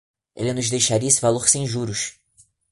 Ele nos deixaria esse valor sem juros.